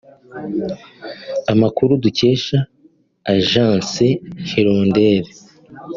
Amakuru dukesha agence Hirondelle